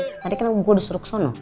iya ini tadi kenapa gua udah suruh ke sana